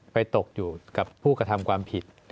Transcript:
ตกอยู่กับผู้กระทำความผิด